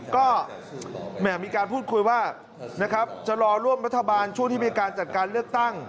ก็มีการพูดคุยว่านะครับจะรอร่วมรัฐบาลช่วงที่มีการจัดการเลือกตั้ง